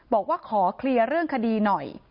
บอกว่าขอเคลียร์เรื่องคดีหน่อย